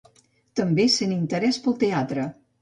També sent interès pel teatre.